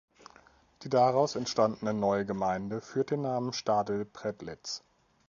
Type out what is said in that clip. Die daraus entstandene neue Gemeinde führt den Namen Stadl-Predlitz.